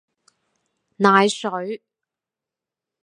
奶水